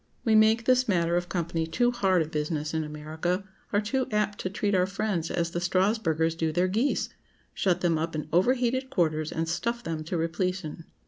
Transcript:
We make this matter of company too hard a business in America; are too apt to treat our friends as the Strasburgers do their geese; shut them up in overheated quarters, and stuff them to repletion.